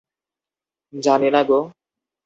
জানি না গো।